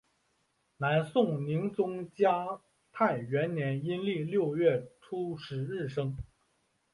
南宋宁宗嘉泰元年阴历六月初十日生。